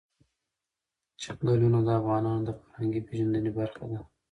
چنګلونه د افغانانو د فرهنګي پیژندنې برخه ده.